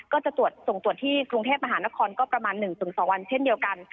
ก็จะตรวจส่งตรวจที่กรุงเทพมหานครก็ประมาณ๑๒วันเช่นเดียวกัน